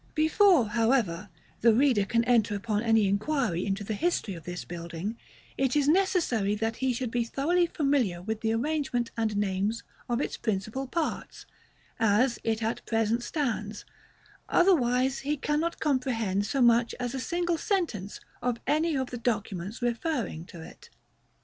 § III. Before, however, the reader can enter upon any inquiry into the history of this building, it is necessary that he should be thoroughly familiar with the arrangement and names of its principal parts, as it at present stands; otherwise he cannot comprehend so much as a single sentence of any of the documents referring to it.